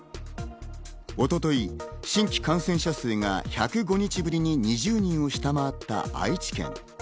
一昨日、新規感染者数が１０５日ぶりに２０人を下回った愛知県。